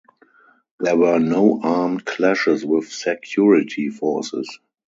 There were no armed clashes with security forces.